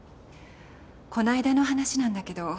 こないだの話なんだけど。